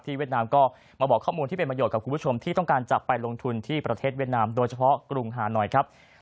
เวียดนามก็มาบอกข้อมูลที่เป็นประโยชนกับคุณผู้ชมที่ต้องการจะไปลงทุนที่ประเทศเวียดนามโดยเฉพาะกรุงหาหน่อยครับ